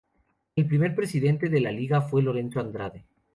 El primer presidente de la liga fue Lorenzo Andrade.